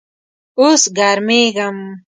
اوس ګرمیږم